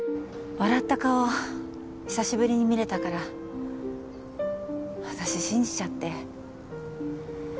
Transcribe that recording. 笑った顔久しぶりに見れたから私信じちゃって。